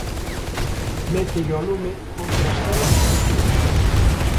Mételle ao lume outra estela que vai frío!